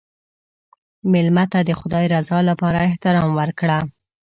مېلمه ته د خدای رضا لپاره احترام ورکړه.